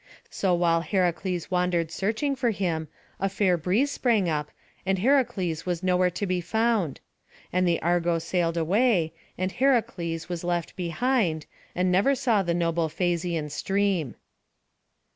So while Heracles wandered searching for him, a fair breeze sprang up, and Heracles was nowhere to be found; and the Argo sailed away, and Heracles was left behind, and never saw the noble Phasian stream.